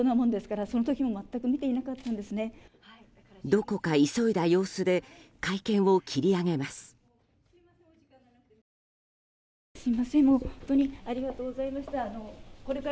どこか急いだ様子で会見を切り上げます。